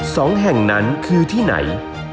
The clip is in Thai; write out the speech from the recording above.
สองแห่งนั้นคือที่ไหน